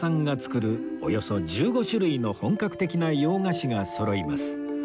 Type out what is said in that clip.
およそ１５種類の本格的な洋菓子がそろいます